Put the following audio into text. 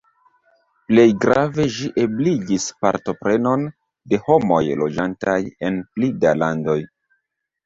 Plej grave ĝi ebligis partoprenon de homoj loĝantaj en pli da landoj.